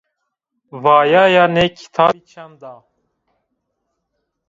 Vayaya nê kitabî çend a?